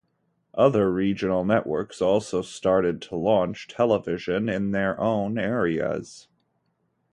Other regional networks also started to launch television in their own areas.